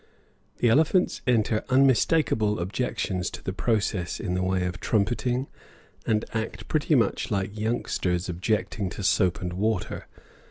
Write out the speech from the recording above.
The elephants enter unmistakable objections to the process in the way of trumpeting, and act pretty much like youngsters objecting to soap and water.